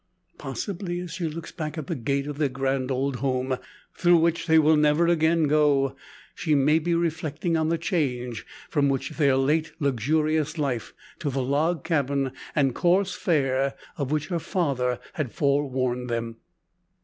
Possibly, as she looks back at the gate of their grand old home, through which they will never again go, she may be reflecting on the change from their late luxurious life, to the log cabin and coarse fare, of which her father had forewarned them.